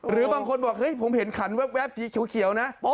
หรือบางคนบอกเฮ้ยผมเห็นขันแว๊บสีเขียวนะ